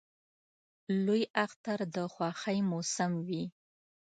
نوی اختر د خوښۍ موسم وي